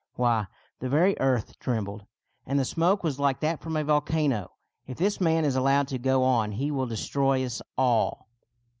Why, the very earth trembled, and the smoke was like that from a vol cano. If this man is allowed to go on he will destroy us all."